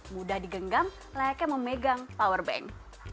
mudah digenggam layaknya memegang powerbank